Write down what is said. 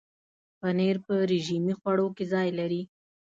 پنېر په رژیمي خواړو کې ځای لري.